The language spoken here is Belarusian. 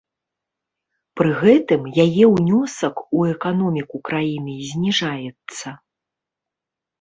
Пры гэтым яе ўнёсак у эканоміку краіны зніжаецца.